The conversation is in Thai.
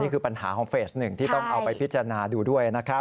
คือปัญหาของเฟสหนึ่งที่ต้องเอาไปพิจารณาดูด้วยนะครับ